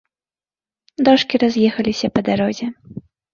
Дошкі раз'ехаліся па дарозе.